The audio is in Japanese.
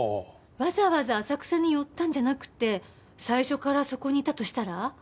わざわざ浅草に寄ったんじゃなくて最初からそこにいたとしたら？